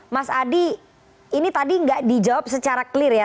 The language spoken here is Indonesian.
mas adi ini tadi nggak dijawab secara clear ya